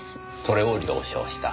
それを了承した。